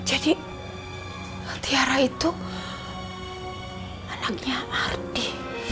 jadi tiara itu anaknya ardi